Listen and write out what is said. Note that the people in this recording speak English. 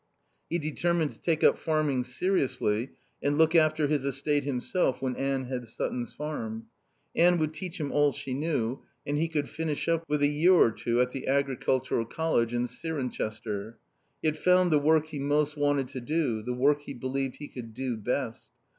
He determined to take up farming seriously and look after his estate himself when Anne had Sutton's farm. Anne would teach him all she knew, and he could finish up with a year or two at the Agricultural College in Cirencester. He had found the work he most wanted to do, the work he believed he could do best.